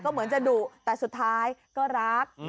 เหมือนจะดุแต่สุดท้ายก็รัก